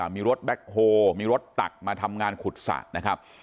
มีรถแบ็คโฮมีรถตักมาทำงานขุดสระนะครับ